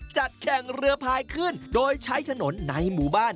จัดแข่งเรือพายขึ้นโดยใช้ถนนในหมู่บ้าน